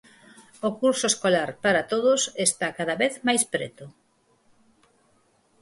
O curso escolar, para todos, está cada vez máis preto.